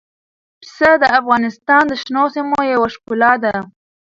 پسه د افغانستان د شنو سیمو یوه ښکلا ده.